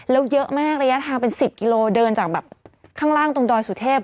แล้วเยอะมากระยะทางเป็น๑๐กิโลเดินจากแบบข้างล่างตรงดอยสุเทพ